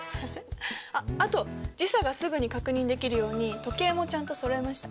あっあと時差がすぐに確認できるように時計もちゃんとそろえました。